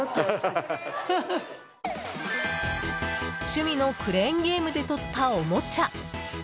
趣味のクレーンゲームで取ったおもちゃ。